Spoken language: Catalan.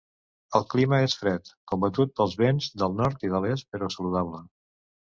El clima és fred, combatut pels vents del nord i de l'est, però saludable.